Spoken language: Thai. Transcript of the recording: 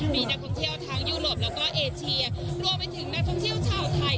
มีนักท่องเที่ยวทั้งยุโรปแล้วก็เอเชียรวมไปถึงนักท่องเที่ยวชาวไทย